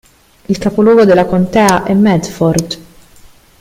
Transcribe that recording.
Il capoluogo della contea è Medford.